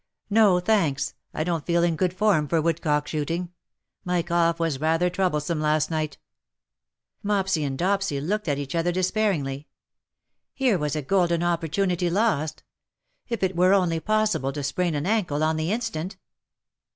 " No, thanks ; I don^t feel in good form for woodcock shooting. My cough was rather trouble some last night .^^ Mopsy and Dopsy looked at each other despair ingly. Here was a golden opportunity lost. If it were only possible to sprain an ankle on the instant.